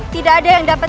tidak ada yang dapat